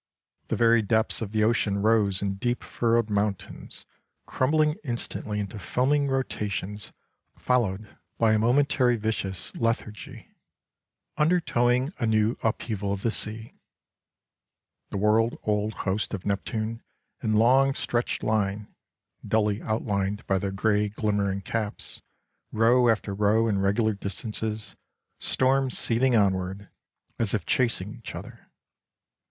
The very depths of the ocean rose in deep furrowed mountains, crumbling instantly into foaming rotations, followed by a momentary viscous lethargy, undertowing a new upheaval of the sea. The world old hosts of Neptune in long stretched line, dully outlined by their grey glimmering caps, row after row in regular distances, stormed seething onward, as if chasing each other.